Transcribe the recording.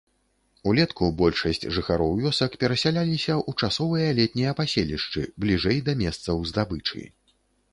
Улетку большасць жыхароў вёсак перасяляліся ў часовыя летнія паселішчы бліжэй да месцаў здабычы.